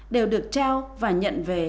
đều được trao và nhận về